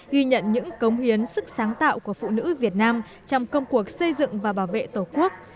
ghi nhận những cống hiến sức sáng tạo của phụ nữ việt nam trong công cuộc xây dựng và bảo vệ tổ quốc